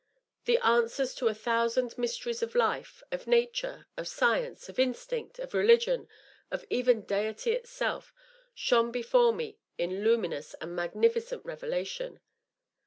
The answers to a thou sand mysteries of life, of nature, of science, of instinct, of religion, of even deity itself, shone before me in luminous and magnificent revelation.